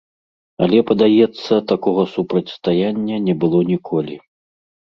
Але, падаецца, такога супрацьстаяння не было ніколі.